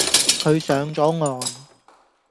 佢上咗岸